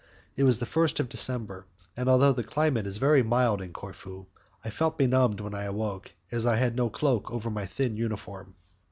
It was the 1st of December, and although the climate is very mild in Corfu I felt benumbed when I awoke, as I had no cloak over my thin uniform.